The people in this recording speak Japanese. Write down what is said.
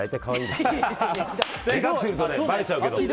でかくするとばれちゃうけど。